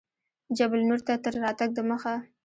جبل النور ته تر راتګ دمخه.